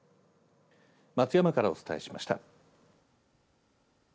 松山からお伝えしました。